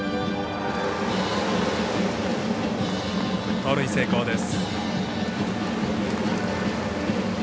盗塁成功です。